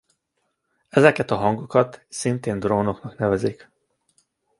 Ezeket a hangokat szintén drónoknak nevezik.